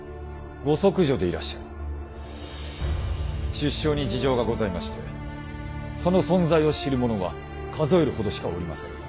出生に事情がございましてその存在を知る者は数えるほどしかおりませぬが。